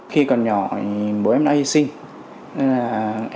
khi còn nhỏ bố em đã hy sinh